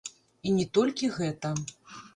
І не толькі гэта.